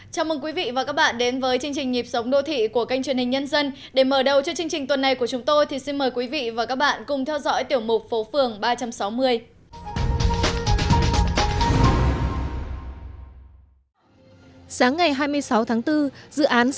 chào mừng quý vị và các bạn đến với chương trình nhịp sống đô thị của kênh truyền hình nhân dân